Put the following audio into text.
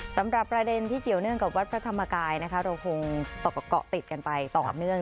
สำหรับประเด็นที่เกี่ยวเนื่องกับวัดพระธรรมกายนะคะเราคงเกาะติดกันไปต่อเนื่อง